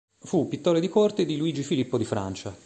Fu pittore di corte di Luigi Filippo di Francia.